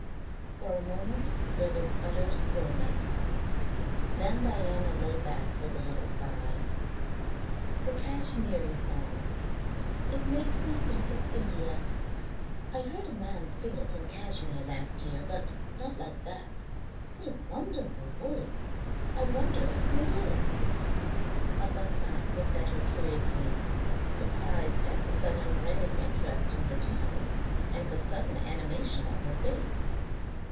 For a moment there was utter stillness, then Diana lay back with a little sigh. "The Kashmiri Song. It makes me think of India. I heard a man sing it in Kashmere last year, but not like that. What a wonderful voice! I wonder who it is?" Arbuthnot looked at her curiously, surprised at the sudden ring of interest in her tone, and the sudden animation of her face.